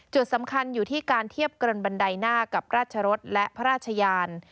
จุดสำคัญอยู่ที่การเทียบเกินบันไดหน้ากับราชรสและพระราชยาน